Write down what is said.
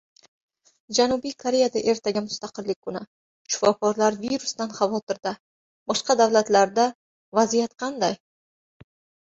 Janubiy Koreyada ertaga Mustaqillik kuni, shifokorlar virusdan xavotirda. Boshqa davlatlarda vaziyat qanday